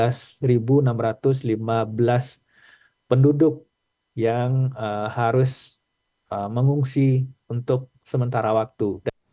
jadi ini adalah satu lima ratus penduduk yang harus mengungsi untuk sementara waktu